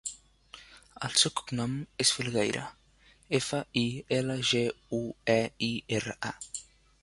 El seu cognom és Filgueira: efa, i, ela, ge, u, e, i, erra, a.